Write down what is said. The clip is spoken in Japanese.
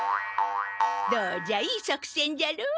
どうじゃいいさくせんじゃろう？